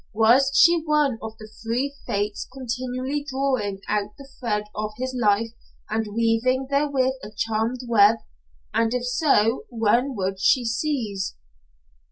Was she one of the three fates continually drawing out the thread of his life and weaving therewith a charmed web? And if so when would she cease?